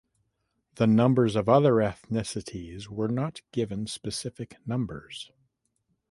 The numbers of other ethnicities were not given specific numbers.